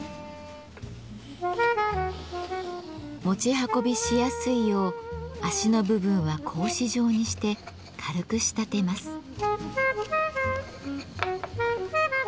持ち運びしやすいよう脚の部分は格子状にして軽く仕立てます。